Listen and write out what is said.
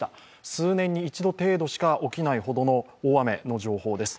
数年に一度程度しか起きないほどの大雨の情報です。